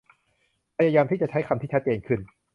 พยายามจะใช้คำที่ชัดเจนขึ้น